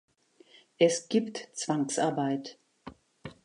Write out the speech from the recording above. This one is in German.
Es gibt Zwangsarbeit.